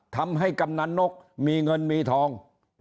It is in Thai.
ทำให้กำหนันนกมีเงินมีทอง